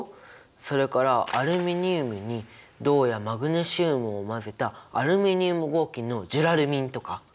それからアルミニウムに銅やマグネシウムを混ぜたアルミニウム合金のジュラルミンとか！